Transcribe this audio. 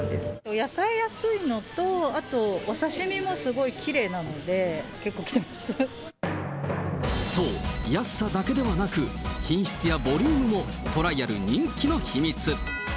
野菜安いのと、あと、お刺身もすごいきれいなので、結構来てそう、安さだけではなく、品質やボリュームもトライアル人気の秘密。